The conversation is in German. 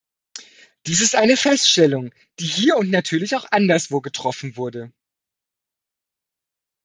Dies ist eine Feststellung, die hier und natürlich auch anderswo getroffen wurde.